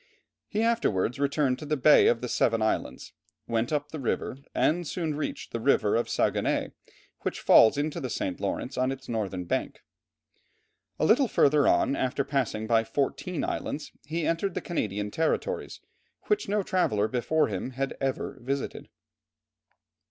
He afterwards returned to the Bay of the Seven Islands, went up the river, and soon reached the river Saguenay, which falls into the St. Lawrence on its northern bank. A little further on, after passing by fourteen islands, he entered the Canadian territories, which no traveller before him had ever visited.